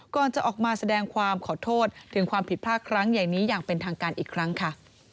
ก่อนจะออกมาแสดงความขอโทษถึงความผิดพลาดครั้งใหญ่นี้อย่างเป็นทางการอีกครั้งค่ะ